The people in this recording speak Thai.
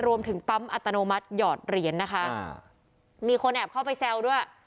รวมถึงปั๊มอัตโนมัติหยอดเหรียญนะคะมีคนแอบเข้าไปแซวด้วย